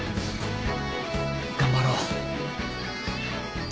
頑張ろう。